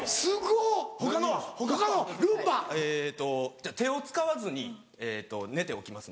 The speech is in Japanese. じゃあ手を使わずに寝て起きますね。